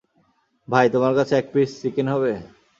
ভাই, তোমার কাছে এক পিস চিকেন হবে।